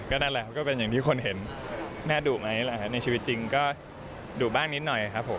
นั่นแหละครับก็เป็นอย่างที่คนเห็นแม่ดุไหมในชีวิตจริงก็ดุบ้างนิดหน่อยครับผม